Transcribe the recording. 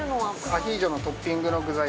アヒージョのトッピングの具